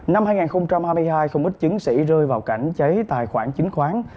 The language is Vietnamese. năm hai nghìn hai mươi hai không ít chứng sĩ rơi vào cảnh cháy tài khoản chính khoán